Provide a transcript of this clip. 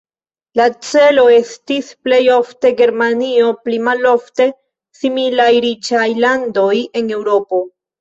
La celo estis plej ofte Germanio, pli malofte similaj riĉaj landoj en Eŭropo.